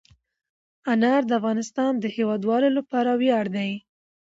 انار د افغانستان د هیوادوالو لپاره ویاړ دی.